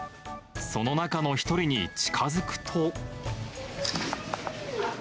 その中の一人に近づくと。